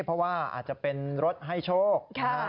เพราะว่าอาจจะเป็นรถให้โชค